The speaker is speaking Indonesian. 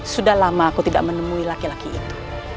sudah lama aku tidak menemui laki laki itu